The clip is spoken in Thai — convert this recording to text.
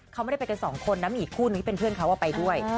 เขาไม่ได้ไปกันสองคนนะมีอีกคู่นึงที่เป็นเพื่อนเขาไปด้วย